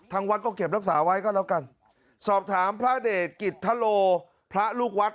วัดก็เก็บรักษาไว้ก็แล้วกันสอบถามพระเดชกิจทะโลพระลูกวัด